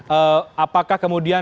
eh apakah kemudian